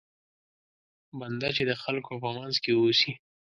بنده چې د خلکو په منځ کې اوسي.